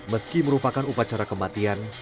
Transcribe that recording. meski merupakan upacara kematian